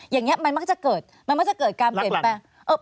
อย่างนี้มันมักจะเกิดการเปลี่ยนไป